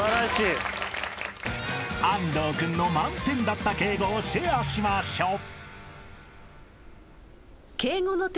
［安東君の満点だった敬語をシェアしましょう］